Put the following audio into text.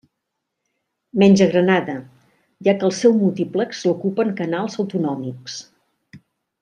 Menys a Granada, ja que el seu múltiplex l'ocupen canals autonòmics.